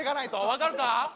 分かるか？